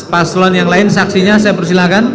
paslon yang lain saksinya saya persilahkan